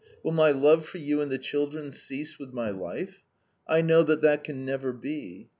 Will my love for you and the children cease with my life? I know that that can never be.